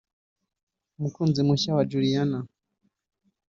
umukunzi mushya wa Juliana